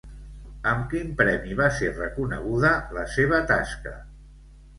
Amb quin premi va ser reconeguda la seva tasca?